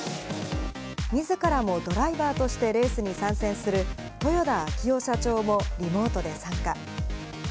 みずからもドライバーとしてレースに参戦する豊田章男社長も、リモートで参加。